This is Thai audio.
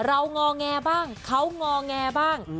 งอแงบ้างเขางอแงบ้าง